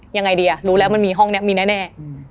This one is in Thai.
ยังไงดีอ่ะรู้แล้วมันมีห้องนี้มีแน่